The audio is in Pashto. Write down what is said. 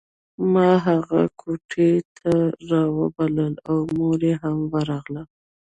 ما هغه کوټې ته راوبلله او مور هم ورغله